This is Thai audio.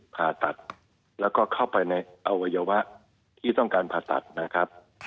ผ่าตัดแล้วก็เข้าไปในอวัยวะที่ต้องการผ่าตัดนะครับ